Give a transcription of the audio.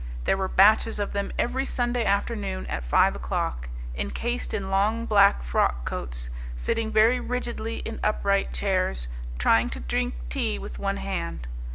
There were batches of them every Sunday afternoon at five o'clock, encased in long black frock coats, sitting very rigidly in upright chairs, trying to drink tea with one hand.